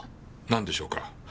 なんでしょうか？